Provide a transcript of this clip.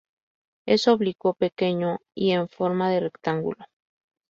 Es oblicuo, pequeño y en forma de rectángulo.